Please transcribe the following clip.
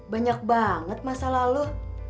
banyak banget masalah lu